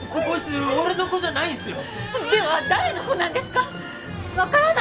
こいつ俺の子じゃないんすよでは誰の子なんですか？